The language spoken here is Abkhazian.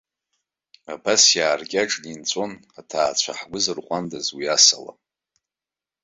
Абас иааркьаҿны инҵәон аҭаацәа ҳгәы зырҟәандаз уи асалам.